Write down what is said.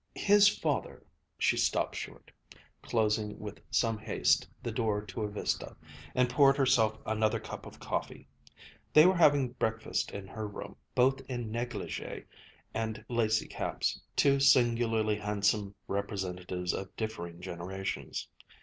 His father ..." She stopped short, closing with some haste the door to a vista, and poured herself another cup of coffee. They were having breakfast in her room, both in négligée and lacy caps, two singularly handsome representatives of differing generations.